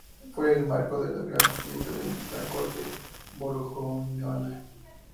Fue el marco de las grandes fiestas de la corte borgoñona.